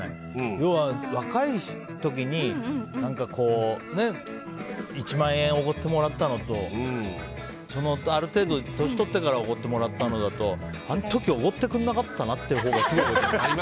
要は、若い時に１万円おごってもらったのとある程度、年取ってからおごってもらったのとはあの時、おごってくれなかったなっていうほうが。